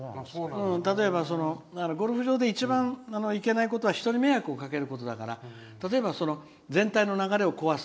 例えばゴルフ場で一番いけないことは人に迷惑をかけることだから例えば、全体の流れを壊す。